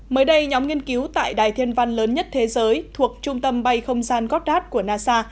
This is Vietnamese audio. mới đây nhóm nghiên cứu tại đài thiên văn lớn nhất thế giới thuộc trung tâm bay không gian godard của nasa